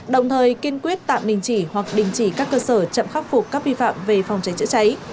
đồng thời kiên quyết tạm đình chỉ hoặc đình chỉ các cơ sở chậm khắc phục các vi phạm về phòng cháy chữa cháy